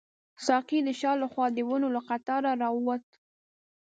ساقي د شا له خوا د ونو له قطاره راووت.